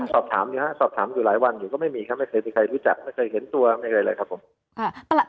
สอบถามอยู่ฮะสอบถามอยู่หลายวันอยู่ก็ไม่มีครับไม่เคยมีใครรู้จักไม่เคยเห็นตัวไม่เคยเลยครับผม